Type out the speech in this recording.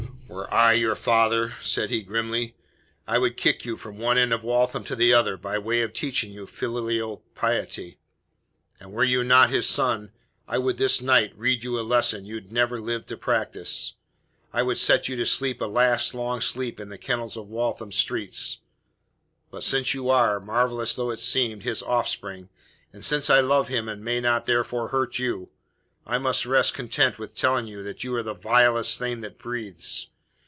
"Were I your father," said he grimly, "I would kick you from one end of Waltham to the other by way of teaching you filial piety! And were you not his son, I would this night read you a lesson you'd never live to practise. I would set you to sleep a last long sleep in the kennels of Waltham streets. But since you are marvellous though it seem his offspring, and since I love him and may not therefore hurt you, I must rest content with telling you that you are the vilest thing that breathes.